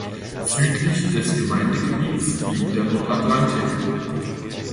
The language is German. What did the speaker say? Südlich des Gemeindegebiets liegt der Nordatlantik.